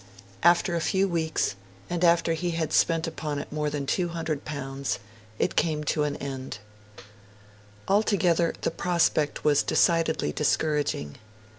After a few weeks, and after he had spent upon it more than L200, it came to an end. Altogether, the prospect was decidedly discouraging.